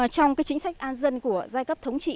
trong chính sách an dân của giai cấp thống trị